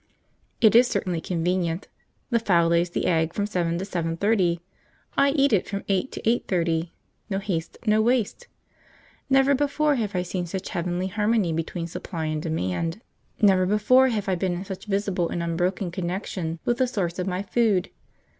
It is certainly convenient: the fowl lays the egg from seven to seven thirty, I eat it from eight to eight thirty; no haste, no waste. Never before have I seen such heavenly harmony between supply and demand. Never before have I been in such visible and unbroken connection with the source of my food.